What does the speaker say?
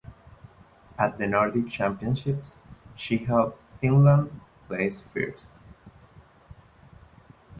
At the Nordic Championships she helped Finland place first.